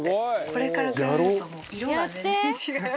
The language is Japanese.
これから比べるともう色が全然違う。